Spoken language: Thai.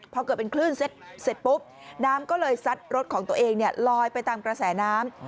พอเกิดเป็นคลื่นเสร็จปุ๊บน้ำก็เลยซัดรถของตัวเองลอยไปตามกระแสน้ำ